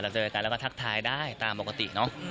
เจอกันแล้วก็ทักทายได้ตามปกติเนอะ